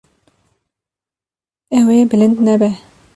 Ew ê bilind nebe.